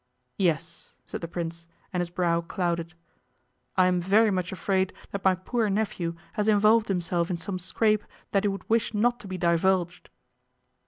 'Yes,' said the Prince, and his brow clouded. 'I am very much afraid that my poor nephew has involved himself in some scrape that he would wish not to be divulged.